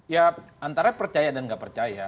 ya antara percaya dan nggak percaya